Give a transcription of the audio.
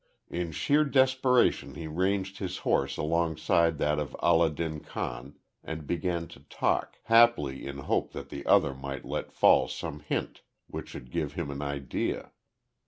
In sheer desperation he ranged his horse alongside that of Allah din Khan, and began to talk, haply in hope that the other might let fall some hint which should give him an idea.